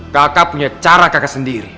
kakak punya cara kakak sendiri